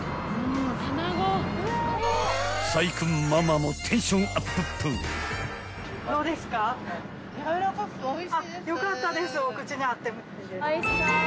［宰君ママもテンションアップップ］よかったです